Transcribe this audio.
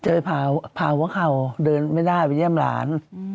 ไปพาเว๊ย์เข่าเดินไม่ได้ไปเยี่ยมหลาน